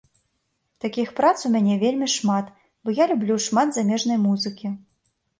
Такіх прац у мяне вельмі шмат, бо я люблю шмат замежнай музыкі.